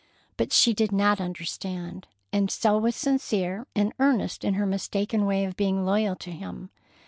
But she did not understand, and so was sincere and earnest in her mistaken way of being loyal to him.